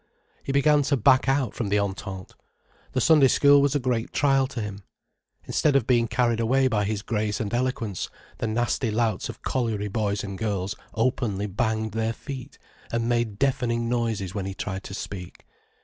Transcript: He began to back out from the Entente. The Sunday School was a great trial to him. Instead of being carried away by his grace and eloquence, the nasty louts of colliery boys and girls openly banged their feet and made deafening noises when he tried to speak.